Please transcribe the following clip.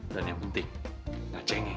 dan yang penting nggak cengeng